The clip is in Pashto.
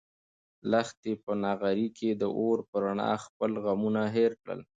لښتې په نغري کې د اور په رڼا خپل غمونه هېر کړل.